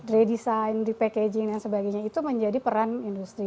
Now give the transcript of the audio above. redesign repackaging dan sebagainya itu menjadi peran industri